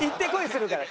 するから。